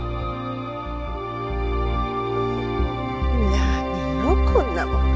何よこんなもの。